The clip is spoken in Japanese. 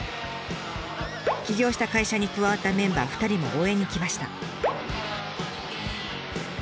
起業した会社に加わったメンバー２人も応援に来ました。